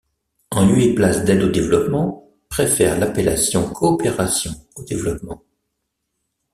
En lieu et place d'aide au développement, préfèrent l'appellation coopération au développement.